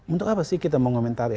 untuk apa sih kita mau komentari